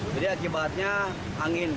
jadi akibatnya angin